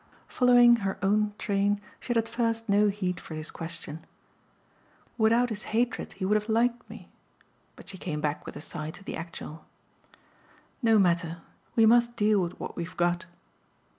Following her own train she had at first no heed for his question. "Without his hatred he would have liked me." But she came back with a sigh to the actual. "No matter. We must deal with what we've got."